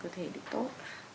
cái cơ thể được tốt